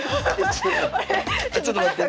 ちょっと待って。